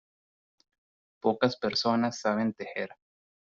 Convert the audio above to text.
Pocas personas saben tejer.